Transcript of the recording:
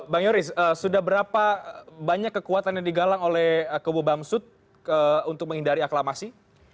bang yoris sudah berapa banyak kekuatan yang digalang oleh kebu bamsud untuk menghindari aklamasi